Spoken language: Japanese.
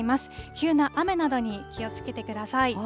急な雨などに気をつけてください。